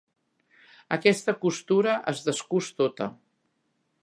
Aquesta costura es descús tota.